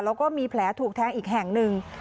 แล้วก็มีแผลถูกแทงอีกแห่งหนึ่ง